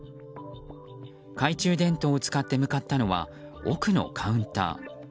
懐中電灯を使って向かったのは奥のカウンター。